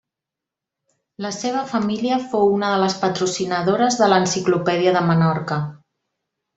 La seva família fou una de les patrocinadores de l'Enciclopèdia de Menorca.